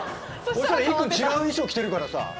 そしたらいっくん違う衣装着てるからさ。